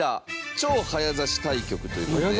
超早指し対局という事で。